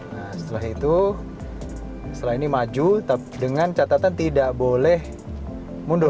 nah setelah itu setelah ini maju dengan catatan tidak boleh mundur